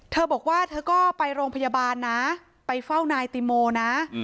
เธอบอกว่าเธอก็ไปโรงพยาบาลนะไปเฝ้านายติโมนะ